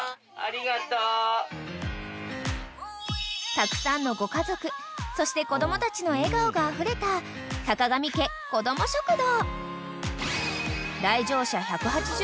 ［たくさんのご家族そして子供たちの笑顔があふれた坂上家こども食堂］